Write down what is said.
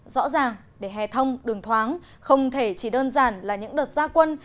rõ ràng để hè thông đường thoáng không thể chỉ đơn giản là những đợt gia quân